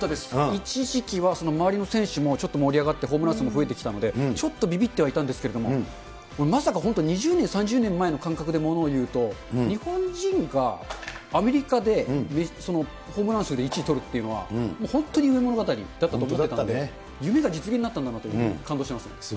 一時期は周りの選手もちょっと盛り上がってホームラン数も増えてきたので、ちょっとびびってはいたんですけれども、まさか本当、２０年、３０年前の感覚でものを言うと、日本人がアメリカでホームラン数で１位をとるというのは、本当に夢物語だったと思うんですけれども、夢が実現になったんだなと、感動しますね。